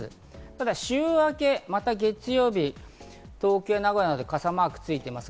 ただ週明け、また月曜日、東京や名古屋など傘マークがついています。